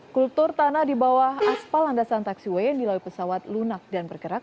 kultur tanah di bawah aspal landasan taxiway yang dilalui pesawat lunak dan bergerak